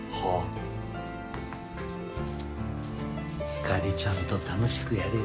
ひかりちゃんと楽しくやれよ。